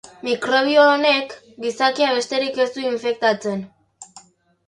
Mikrobio honek gizakia besterik ez du infektatzen.